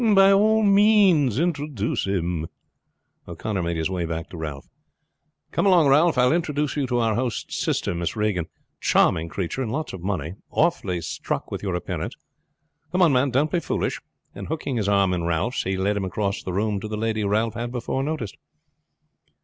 "By all means introduce him." O'Connor made his way back to Ralph. "Come along, Ralph; I will introduce you to our host's sister, Miss Regan. Charming creature, and lots of money. Awfully struck with your appearance. Come on, man; don't be foolish," and, hooking his arm in Ralph's, he led him across the room to the lady Ralph had before noticed.